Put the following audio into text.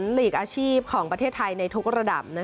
หลีกอาชีพของประเทศไทยในทุกระดับ